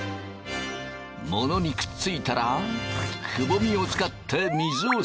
モノにくっついたらくぼみを使って水を吸い上げ